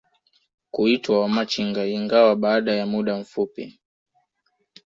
kuitwa Wamachinga ingawa baada ya muda mfupi